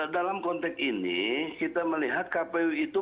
dalam konteks ini kita melihat kpu itu